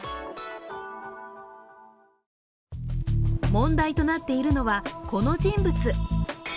問題となっているのは、この人物